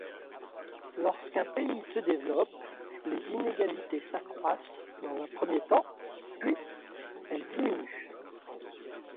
Lorsqu'un pays se développe, les inégalités s'accroissent dans un premier temps puis elles diminuent.